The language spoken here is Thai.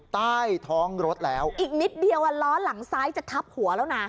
ใต้ท้องรถแล้วอีกนิดเดียวล้อหลังซ้ายจะทับหัวแล้วนะ